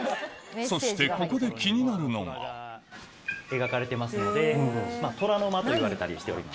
そしてここで気になるのが描かれてますので虎の間といわれたりしております。